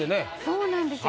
そうなんですよ。